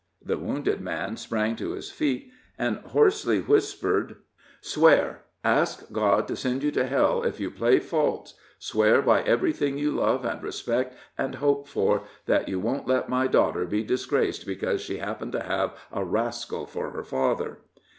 The wounded man sprang to his feet, and hoarsely whispered: "Swear ask God to send you to hell if you play false swear by everything you love and respect and hope for, that you won't let my daughter be disgraced because she happened to have a rascal for her father!"